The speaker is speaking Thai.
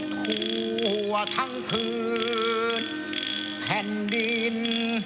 ทั่วทั้งคืนแผ่นดิน